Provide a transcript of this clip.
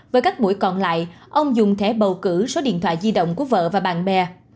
với các buổi còn lại ông dùng thẻ bầu cử số điện thoại di động của vợ và bạn bè